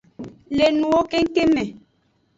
Le nuwo kengkeng me.